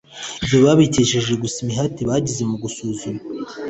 ibyo babikesheje gusa imihati bagize mu gusuzuma